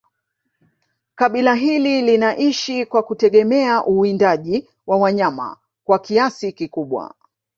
Kabila hili linaishi kwa kutegemea uwindaji wa wanyama kwa kiasi kikubwa